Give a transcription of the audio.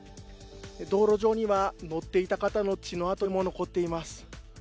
道路上には乗っていた方の血の跡も残っています。